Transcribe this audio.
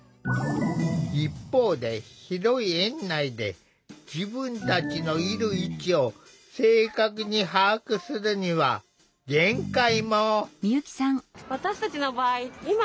一方で広い園内で自分たちのいる位置を正確に把握するには限界も。